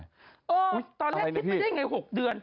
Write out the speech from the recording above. เออตอนแรกคิดไปได้ยังไง๖เดือน